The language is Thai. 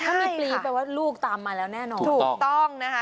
ใช่ค่ะมีปลีกแปลว่าลูกตามมาแล้วแน่นอนถูกต้องถูกต้องนะคะ